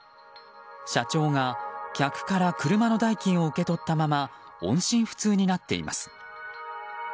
社長が客から車の代金を受け取ったまま音信不通になっています。